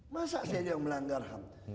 masa saja yang melanggar ham